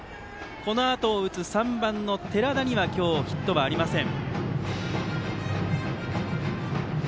このあとを打つ３番の寺田は今日ヒットがありません。